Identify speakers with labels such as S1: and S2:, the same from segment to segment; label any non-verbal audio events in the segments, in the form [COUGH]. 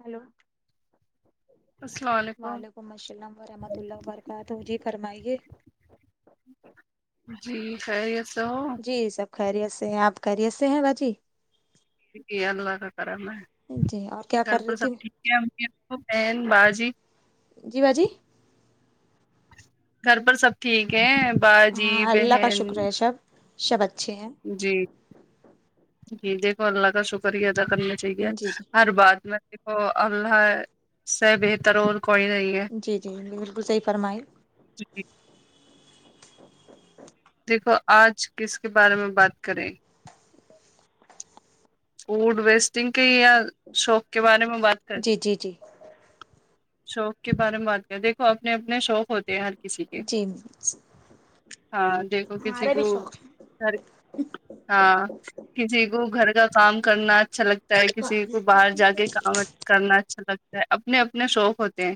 S1: Hello
S2: السلام علیکم
S1: وعلیکم السلام ورحمۃ اللہ وبرک ہاں تو جی فرمائیے
S2: جی خیریت ہو
S1: جی سب خیریت سے ہیں آپ خیریت سے ہیں باجی
S2: ج اللہ کا کرم ہے
S1: جی اور کیا
S2: گھر
S1: کر رہی
S2: پر
S1: تھی
S2: سب ٹھیک امی ابو بہن باجی
S1: جی با جی
S2: گھر پر سب ٹھیک ہے باجی بہن
S1: شب اچھے ہیں
S2: جی جی دیکھو اللہ کا شکریہ ادا کرنے جی ہر بات میں دیکھو اللہ سے بہتر اور کوئی نہیں ہے
S1: جی جی بالکل صحیح فرمائی
S2: جی دیکھو آج کس کے بارے میں بات کریں فوڈ ویسٹنگ کے یا شوق کے بارے میں بات کریں
S1: جی جی جی
S2: شوق کے بارے میں بات کریں دیکھو اپنے اپنے شوق ہوتے ہیں ہ
S1: جی
S2: ہاں دیکھو کسی
S1: ہمارے
S2: کو گھر ہاں کسی کو گھر کا کام کرنا اچھا لگتا ہے کسی کو باہر جا کے کام کرنا اچھا لگتا ہے اپنے اپنے شوق ہوتے ہیں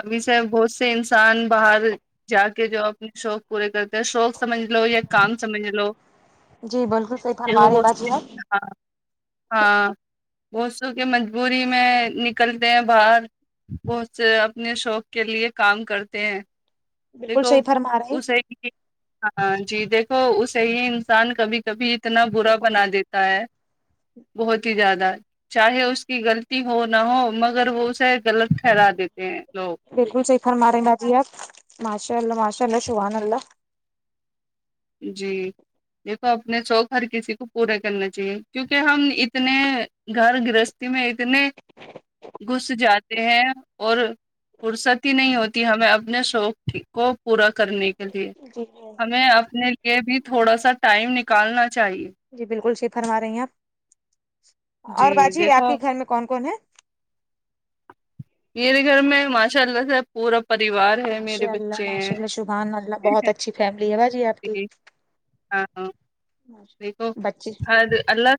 S2: ابھی سے بہت سے انسان باہر جا کے جو اب اپنے شوق پورے کرتے ہیں شوق سمجھ لو یا کام سمجھ لو
S1: جی بالکل صحیح فرمایا
S2: دیکھو
S1: رہے ہیں
S2: بہت
S1: با جی
S2: سے
S1: آپ
S2: ہاں ہاں بسوں کی مجبوری میں نکلتے ہیں باہر کچھ اپنے شوق کے لیے کام کرتے ہیں
S1: بالکل
S2: دیکھو
S1: صحیح فرما رہے
S2: اسے
S1: ہیں،
S2: ہاں جی دیکھو اسے ہی انسان کبھی کبھی اتنا برا بنا دیتا تا ہے بہت ہی زیادہ چاہے اس کی غلطی ہو نہ ہو مگر وہ اسے غلط ٹھہرا دیتے ہیں لوگ
S1: بالکل صحیح فاما رہے باجی آپ ماشاء اللہ ماشاء اللہ شبان اللہ
S2: جی دیکھو اپنے شوق ہر کسی کو پورا کرنا چاہیے کیونکہ ہم اتنے گھر گرستی میں اتنے گھس جاتے ہیں اور فرصت ہی نہیں ہوتی ہمیں اپنے شوق کو پورا کرنے کے لیے
S1: جی
S2: ہمیں اپنے لیے بھی تھوڑا سا ٹائم نکالنا چاہیے
S1: جی بالکل صحیح فرما رہے ہیں آپ
S2: جی
S1: اور باجی آپ
S2: دیکھو
S1: کے گھر میں کون کون ہے
S2: میرے گھر میں ماشاء اللہ سےب پورا پاریوار ہے میرے
S1: ماشاء اللہ
S2: بچے ہیں
S1: ماشاء اللہ شبحان اللہ بہت اچھی فیملی ہے باجی آپ کی
S2: ج ہاں ہاں دیکھو
S1: بچے
S2: اللہ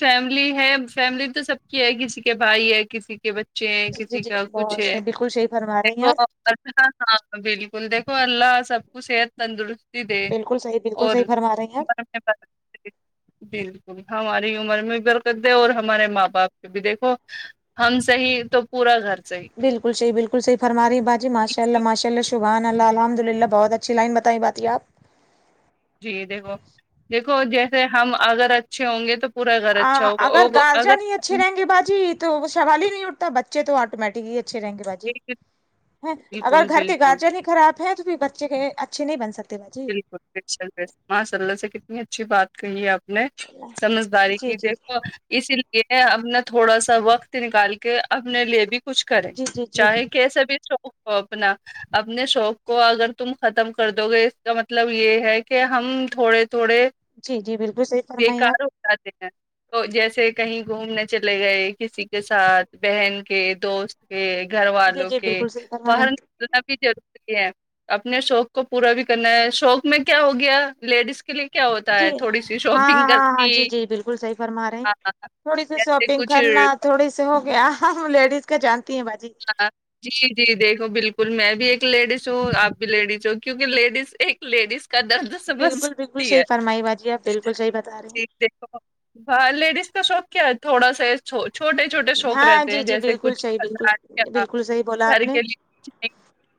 S2: فیملی ہے فیملی تو سب کی ہے کسی کے بھائی ہے کسی کے بچے بچ
S1: جی جی
S2: کسی
S1: جی
S2: کا کچھ
S1: بہت
S2: ہے
S1: سے بالکل صحیح فرما رہی ہیں
S2: دیکھو
S1: آپ
S2: ہاں ہاں بالکل دیکھو اللہ سب کو صحت تندرست دے
S1: بالکل صحیح بالکل
S2: اور
S1: صحیح فرما رہی ہیں آپ
S2: برکت بالکل ہماری عمر میں بھی برکت ہے اور ہمارے ماں باپ کو بھی دیکھو ہم صحیح تو پورا گھر صحیح
S1: بالکل صحیح بالکل صحیح فرما رہی باجی ماشااللہ
S2: اس-
S1: ماشاللہ شبان اللہ الحمد للہ بہت اچھی لائن بتائی باجی آپ
S2: جی دیکھو دیکھو جیسے ہم اگر اچھے ہوں گے تو پورا گھر اچھا ہوگا
S1: اگر
S2: اور اگر
S1: گارجن ہی اچھے رہیں گے باجی تو وہ سوال ہی نہیں اٹھتا بچے تو آٹومیٹکلی اچھے ہی رہیں گے باجی جی اگر
S2: بالکل
S1: گھر کے
S2: بالکل
S1: گارجن ہی خراب ہے تو بچے اچھے نہیں بن سکتے باجی
S2: ماشا اللہ سے کتنی اچھی بات کہی ہے آپ نے سمجھداری
S1: جی
S2: کی
S1: جی
S2: دیکھو اسی لیے اپنا تھوڑا سا وقت نکال کے اپنے لیے بھی کچھ کریں
S1: جی جی جی
S2: چاہے کیسے بھی شوق ہو اپنا اپنے شوق کو اگر تم ختم کر دو گے تو مطلب یہ ہے کہ ہم تھوڑے تھوڑے
S1: جی جی بالکل صحیح فرمائیے آپ
S2: سچے ہیں جیسے کہیں گھومنے چلے گئے کسی کے ساتھ بہن کے دوست کے گھر
S1: جی
S2: والوں
S1: جی
S2: کے
S1: بالکل صحیح فرما رہی
S2: باہر نا بھی ضروری ہے اپنے شوق کو پورا بھی کرنا ہے شوق میں کیا ہو گیا لیڈیز کے لیے کیا ہوتا
S1: جی
S2: ہے تھوڑی سی شاپنگ
S1: ہاں ہاں ہاں جی
S2: کرنی
S1: جی بالکل صحیح فرما رہے ہیں
S2: ہاں
S1: تھوڑی سی
S2: جیسے
S1: شاپنگ
S2: کچھ
S1: کرنا تھوڑی س ہو گیا ہم لیڈیز کیا جانتی ہیں باجی
S2: جی جی دیکھو بالکل میں بھی ایک لیڈیز ہوں آپ بھی لیڈیز ہوں کیونکہ لیڈیز ایک لیڈیز کا درد سمجھ
S1: بالکل بالکل
S2: سکتی ہے
S1: صحیح فرمائی باجی آپ بالکل صحیح بتا رہے
S2: ج
S1: ہیں
S2: دیکھو ہاں لیڈیز کا شوق کیا ہے تھوڑا سا چھوٹے چھوٹے شوق
S1: ہاں
S2: رہتے ہیں
S1: جی جی
S2: جیسے
S1: بالکل
S2: کچھ
S1: صحیح بالکل بالکل صحیح بولا
S2: گھر
S1: آپ نے
S2: کے لیےچ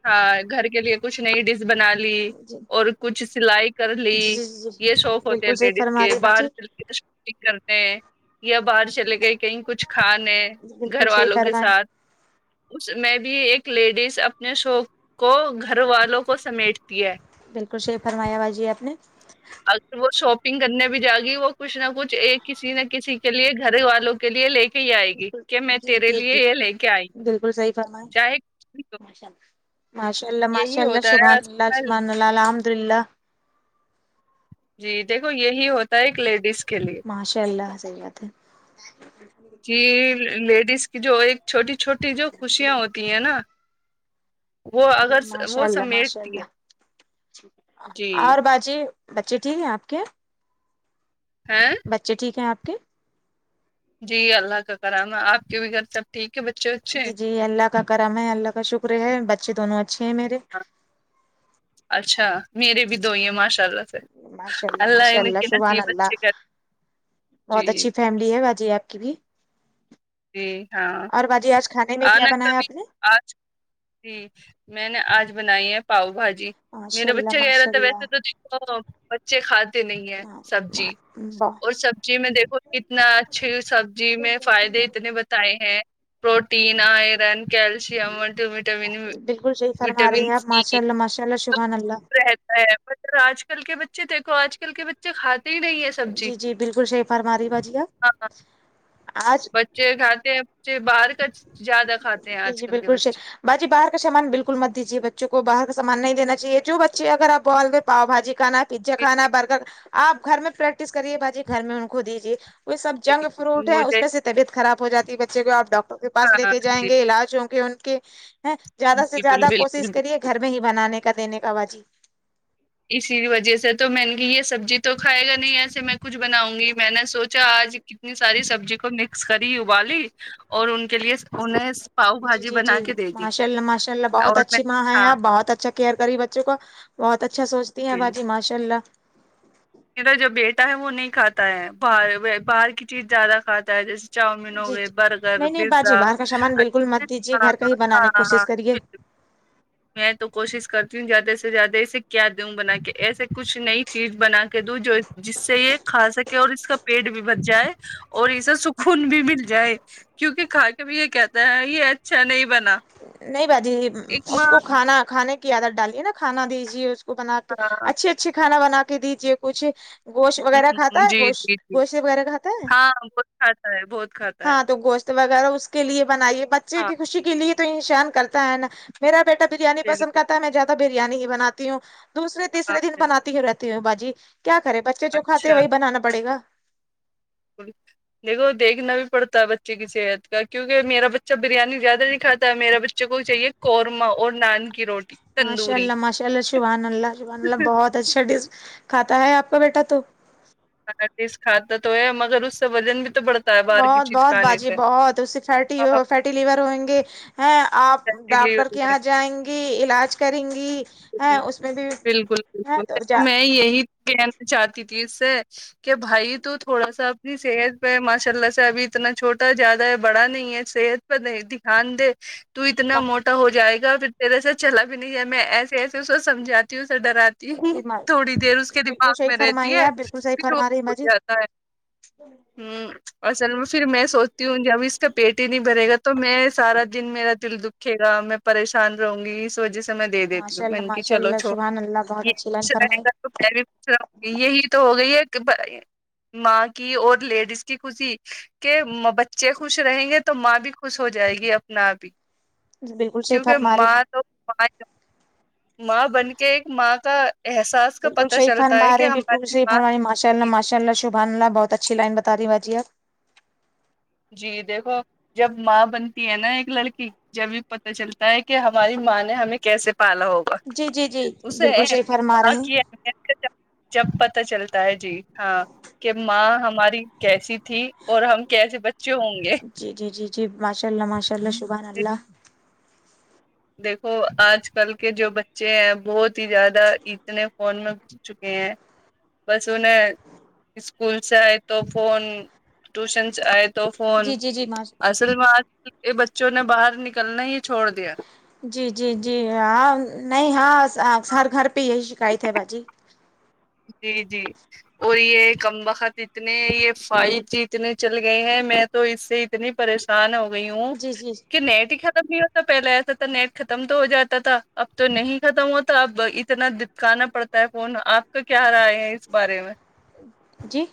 S2: ہاں گھر کے لیے کچھ نئی ڈش بنا لی
S1: جی
S2: اور کچھ سلائی کر لی
S1: جی جی جی
S2: یہ شوق ہوتے ہیں
S1: بالکل صحیح
S2: لیڈیز
S1: فرما
S2: کے
S1: رہی باجی
S2: باہر چ کے یہی کرتے ہے یا باہر چلے گئے کہیں کچھ کھانے گھر
S1: بالکل صحیح
S2: والوں کے
S1: فرمائی
S2: ساتھ اس میں بھی ایک لیڈیز اپنے شوق کو گھر والوں کو سمیٹتی ہے
S1: بالکل صحیح فرمایا باجی آپ نے
S2: اگر وہ شاپنگ کرنے بھی جائے گی وہ کچھ نہ کچھ ایک کسی نہ کسی کے لیے گھر والوں کے لیے لے کہی آئے گی
S1: بالکل
S2: کہ میں
S1: جی
S2: تیرے
S1: جی
S2: لیے
S1: جی
S2: یہ لے کے آئی ہوں
S1: بالکل صحیح فرمایا ہے
S2: چائے کتنی کپ
S1: ماشاء اللہ ماشاء اللہ
S2: ہے
S1: سبحان
S2: آج
S1: اللہ
S2: کل
S1: سبحان اللہ الحمد للہ
S2: جی دیکھو یہی ہوتا ہے ایک لیڈیز کے لیے
S1: ماشاء الله صحیح بات ہے
S2: جی لیڈیز کی جو ایک چھوٹی چھوٹی جو خوشیاں ہوتی ہیں نا وہ
S1: جی
S2: اگر
S1: ماشاء
S2: وہ
S1: اللہ ماشاء
S2: سمیٹتی
S1: اللہ
S2: ہے جی
S1: اور باجی بچے ٹھیک ہیں آپ کے
S2: ہاں
S1: بچے ٹھیک ہیں آپ کے
S2: جی اللہ کا کرم ہے آپ کے بھی گھر سب ٹھیک ہے بچے وچے
S1: جی جی اللہ کا کرم ہے اللہ کا شکر ہے بچے دونوں اچھے ہیں میرے
S2: اچھا میرے بھی دو ہی ہیں ماشاء اللہ
S1: ماشاء
S2: اللہ
S1: ماشاء
S2: ان کے
S1: سبحان
S2: نصیب اچھے
S1: اللہ
S2: کر یں
S1: بہت
S2: جی
S1: اچھی فیملی ہے باجی آپ کی بھی
S2: جی ہاں
S1: اور باجی آج کھانے میں کیا
S2: آنا
S1: بنایا
S2: کبھی
S1: آپ نے
S2: آج جی میں نے آج بنائی ہے پاؤ بھاجی
S1: ماشاء
S2: میرا
S1: اللہ
S2: بچہ کہہ رہا
S1: ماشاء
S2: تھا
S1: اللہ
S2: ویسے تو دیکھو بچے کھاتے نہیں ہے
S1: ما-
S2: سبزی
S1: ما-
S2: اور
S1: بہ-
S2: سبزی میں دیکھو کتنا اچھے سبزی میں فائدے اتنے بتائے ہیں پروٹین آئرن کیلشیم ملٹی وٹا ٹامن
S1: بالکل صحیح فرما
S2: وٹامن
S1: رہی ہیں آپ
S2: سی
S1: ماشاء
S2: بھی
S1: اللہ ماشاء اللہ سبحان اللہ
S2: رہتا ہے آج کل کے بچے دیکھو آج کل کے بچے کھاتے ہی نہیں ہے سبزی
S1: جی جی بالکل صحیح فرما رہی باجی
S2: ہاں
S1: آج
S2: بچے کھاتے ہیں بچے باہر کا زیادہ کھاتے ہیں
S1: جی
S2: آج
S1: جی
S2: کل کے
S1: بالکل صحیح
S2: بچے
S1: باجی باہر کا سامان بالکل مت دیجیے بچوں کو باہر کا سامان نہیں دینا چاہیے جو بچے اگر آپ بال پاؤ بھای کھانا پیزا
S2: جی،
S1: کھانا
S2: جی،
S1: برگر آپ گھر میں پریکٹس کریے باجی گھر میں ان کو دیجیے وہ سب جنک فروٹ
S2: بالکل
S1: ہے اس
S2: مجھے
S1: میں سے طبعت خراب ہوجاتی ہے بچے کو آپ ڈاکٹر کے پاس لے
S2: ہاں
S1: کے
S2: جی
S1: جائیں گے علاج ہو کے ان کے زیادہ سے
S2: بالکل
S1: زیادہ کوشش
S2: بالکل
S1: کریے گھر میں ہی بنانے کا دینے کا باجی
S2: اسی وجہ سے تو میں نے کہ یہ سبزی تو کھائے گا نہیں ایسے میں کچھ بناؤں گی میں نے سوچا آج اتنی ساری سبزی کو مکس کری ابالی اور ان کے لیے انہیں پاؤ
S1: جی
S2: بھاجی
S1: جی جی
S2: بنا کے دے دی
S1: ماشاءاللہ ماشاء اللہ بہت
S2: اور میں
S1: اچھی ماں ہے
S2: ہاں
S1: آپ بہت اچھا کیئر کری بچوں کو بہت اچھا سوچتی ہیں
S2: بالکل
S1: باجی ماشاء اللہ
S2: میرا جو بیٹا ہے وہ نہیں کھاتا ہے باہر باہر کی چیز زیادہ کھاتا ہے جیسے چاؤمین ہو
S1: جی
S2: گئے
S1: جی
S2: برگر
S1: نہیں نہیں
S2: پیزا
S1: باجی باہر کا سامان
S2: اچ
S1: بالکل مت دیجیے
S2: ہاں
S1: گھر کا ہی بنانے کی
S2: ہاں
S1: کوشش
S2: ہاں
S1: کریے
S2: میں تو کوشش کرتی ہوں زیادہ سے زیادہ اسے کیا دوں بنا کے ایسے کچھ نئی چیز بنا کے دوں جو جس سے یہ کھا سکے اور اس کا پیٹ بھی بچ جائے اور اسے سکون بھی مل جائے کیونکہ کھا کے بھی یہ کہتا ہے یہ اچھا نہیں بنا
S1: نہیں باجی
S2: ایک ماں
S1: اس کو کھانا کھانے کی عادت ڈالیے نا کھانا دیجیے اس کو بنا کے
S2: ہاں
S1: اچھے اچھے کھانا بنا کے دیجے کچھ گوشت وغیرہ
S2: ہوں، ہوں،
S1: کھاتا ہے
S2: جی
S1: گوشت
S2: جی جی
S1: گوشت وغیرہ کھاتا ہے
S2: ہاں بہت کھاتا ہے بہت کھاتا ہے
S1: ہاں تو گوشت وغیرہ اس کے لیے بنائیے بچے
S2: ہاں
S1: کی خوشی کے لیے تو انسان کرتا ہے نا میرا بیٹا بریانی پسند
S2: بالکل
S1: کرتا ہے میں زیادہ بریانی ہی بناتی ہوں دوسرے
S2: ہاں
S1: تیسرے دن
S2: بالکل
S1: بناتی ہی رہتی تی ہوں باجی کیا کرے بچے جو کھاتے ہے
S2: اچھا
S1: وہی بنانا پڑےگا
S2: بالکل دیکھو دیکھنا بھی پڑتا ہے بچے کی صحت کا کیونکہ میرا بچہ بریانی زیادہ نہیں کھاتا ہے میرے بچے کو چاہیے قورما اور نان کی روٹی
S1: ماشاء
S2: تندوری
S1: اللہ ماشاء اللہ شبحان اللہ شبحان اللہ بہت اچھا ڈیش کھاتا ہے آپ کا بیٹا تو
S2: ہا چیز کھاتا تو ہے مگر اس سے وزن بھی تو بڑھتا ہے باہر کی
S1: بہت
S2: چیز
S1: بہت
S2: کھانے
S1: باجی
S2: سے
S1: بہت اس سے فیٹی
S2: ہاں
S1: فیٹی لیور ہوئیں گے ہیں آپ
S2: بالکل
S1: ڈاکٹر کے یہاں جائیں گی علاج کریں گی ہیں اس میں بھی
S2: بالکل بالکل
S1: ہے تو جا
S2: دیکھوں میں یہی کہنا چاہتی تھی اس سے کہ بھائی تو تھوڑا سا اپنی صحت پہ ماشاء اللہ سے ابھی تو اتنا چھوٹا زیادہ ہے بڑا نہیں ہے صحت پر دیھان د تو اتنا موٹا ہو جائے گا پھر تیرے سے چلا بھی نہیں جائےگا میں ایسے ایسے اس کو سمجاتی ہوں اسے ڈرات ہ تھوڑی دیر اس کے
S1: بالکل
S2: دماغ
S1: صحیح
S2: میں رہتی
S1: فرمائی
S2: ہے پھر وہ بھول جاتا ہے
S1: اچھا
S2: ہوں اصل میں پھر میں سوچتی ہوں کہ اب اس کا پیٹ ہی نہیں بھرے گا تو میں سارا دن میرا دل د دیکھے گا میں پریشان رہوں گی اس وجہ سے میں دیکھ
S1: ماشاء اللہ
S2: من کی
S1: ماشاء
S2: چلو
S1: اللہ
S2: چو
S1: شبحان اللہ بہت اچھی لائن
S2: یہ رہے
S1: فرمائی
S2: گا تو میں بھی پوچھ رہا یہی تو ہو گئی ہے کہ ماں کی اور لیڈیز کی خوشی کہ بچے خوش رہیں گے تو ماں بھی خوش ہو جائے گی اپنا آپ ہی
S1: بالکل صحیح
S2: کیونکہ
S1: فرما رہی
S2: ماں تو ماں بن کے ایک ماں کا احساس کا
S1: بالکل
S2: پتہ
S1: صحیح
S2: چلتا ہے کہ
S1: فرمارے بالکل
S2: ہماری
S1: صحیح
S2: ماں
S1: فرما رہے ہیں ماشاءاللہ ماشاءاللہ شبحان اللہ بہت ہی اچھی لائن بتا رہی باجی آپ
S2: جی دیکھو جب ماں بنتی ہے نا ایک لڑکی جبھی پتہ چلتا ہے کہ ہماری ماں نے ہمیں کیسے پالا ہوگا
S1: جی جی جی
S2: اسے
S1: بالکل صحیح
S2: امیت
S1: فرما
S2: ماں
S1: رہے ہیں
S2: کی امیت جب پتہ چلتا ہے جی ہاں کہ ماں ہماری کیسی تھی اور ہم کیسے بچے ہوں گے
S1: جی جی جی جی ماشاء اللہ ماشاء اللہ شبحان اللہ
S2: دیکھو آج کل کے جو بچے ہیں بہت ہی زیادہ اتنے فون میں چکے ہیں بس انہیں اسکول سے آئے تو فون ٹوشن سے آئے تو تو فون
S1: جی جی جی ماش
S2: اصل میں آج کل کے بچوں نے باہر نکلنا ہی چھوڑ دیا
S1: جی جی جی ہاں نہیں ہاں ہر گھر پہ یہی شکایت ہے باجی
S2: جی جی اور یہ کم وخت اتنے یہ فائٹ جی اتنے چل گئے ہیں میں تو اس سے اتنی پریشان ہو گئی ہوں
S1: جی جی
S2: کہ نیٹ ہی ختم نہیں ہوتا پہلے ایسا تھا نیٹ ختم تو ہو جاتا تھا اب تو نہیں ختم ہوتا اب اتنا کہانا پڑتا ہے فون آپ کا کیا رائے ہے اس بارے میں
S1: جی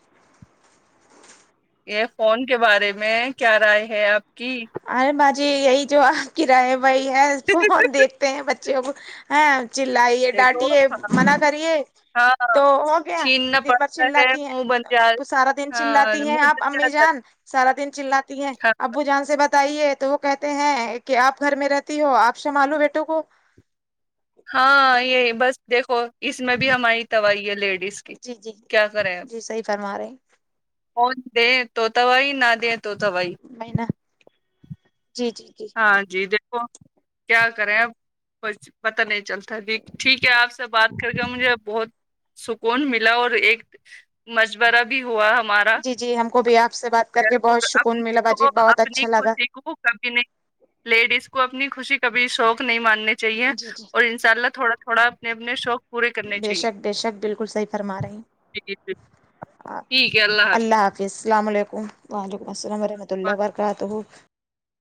S2: یہ فون کے بارے میں کیا رائے ہے آپ کی
S1: ارے باجی یہی جو آپ کی راے ہے وہی ہے فون دیکھتے ہیں بچے اب ہیں چلائیے
S2: دیکھو
S1: ڈانٹیے منع کریے
S2: ہاں
S1: تو ہو گیا
S2: چھیننا
S1: دن بھر
S2: پڑتا ہے
S1: چلاتی ہیں
S2: منہ بن جا
S1: تو سارا دن
S2: ہاں
S1: چلاتی ہیں
S2: منہ بن
S1: آپ امی
S2: جاتا ہے۔
S1: جان سارا دن چلاتی ہے
S2: ہاں
S1: ابو جان سے بات تائیے تو وہ کہتے ہیں کہ آپ گھر میں رہتی ہو آپ سنبھالو بیٹوں کو
S2: ہاں یہی بس دیکھو اس میں بھی ہماری تواہ ہے لیٹ کس کی
S1: جی جی
S2: کیا کرے آپ
S1: جی صحیح فرما رہے ہیں
S2: فون دے توتبائی نہ دیں توتبائی
S1: میں نہ جی جی جی
S2: ہاں جی دیکھو کیا کریں اب کچھ پتا نہیں چلتا ہے د ٹھیک ہے آپ بات کر کے مجھے بہت سکون ملا اور ایک مج برا بھی ہوا ہمارا
S1: جی جی ہم کو بھی آپ سے بات کر کے
S2: اپ
S1: بہت سکون ملا
S2: کو
S1: باجی
S2: [INAUDIBLE]
S1: بہت
S2: اپنی
S1: اچھا لگا
S2: خوشی کو کبھی نہیں لیڈیز کو اپنی خوشی کبھی شوق نہیں ماننی چاہیے
S1: جی جی
S2: اور [UNINTELLIGIBLE] کرلو تھوڑا تھوڑا اپنے اپنے شوق پورے کرنے
S1: بے شک بے شک بالکل صحیح فرما رہے ہیں
S2: جی [UNINTELLIGIBLE] ٹھیک ہے اللہ حافظ
S1: جی السلام علیکم وعلیکم السلام ورحمۃ اللہ وبرکاتہ